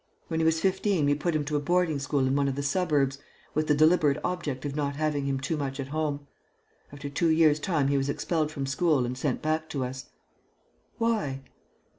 When he was fifteen, we put him to a boarding school in one of the suburbs, with the deliberate object of not having him too much at home. After two years' time he was expelled from school and sent back to us." "Why?"